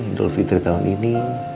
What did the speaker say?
idul fitri tahun ini